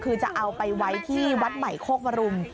คือจะเอาไปไว้ที่วัดใหม่โคกมรุม